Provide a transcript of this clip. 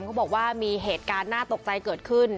เขาบอกว่ามีเหตุการณ์น่าตกใจเกิดขึ้น